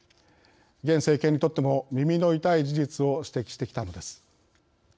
現政権にとっても耳の痛い事実を指摘してきたのです。